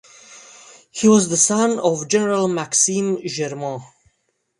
He was the son of General Maxime Germain.